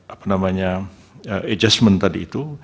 apa namanya adjustment tadi itu